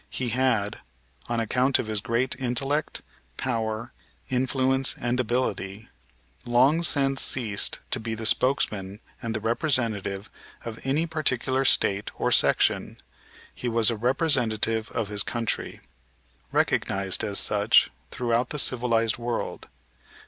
He had, on account of his great intellect, power, influence, and ability, long since ceased to be the spokesman and representative of any particular State or section; he was a representative of his country recognized as such throughout the civilized world.